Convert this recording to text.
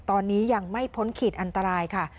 ตอนนี้ยังไม่พ้นขีดอันตรายค่ะ